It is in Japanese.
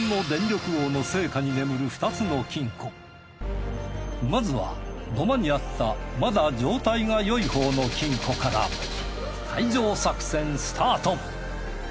日本のまずは土間にあったまだ状態がよいほうの金庫から開錠作戦スタート。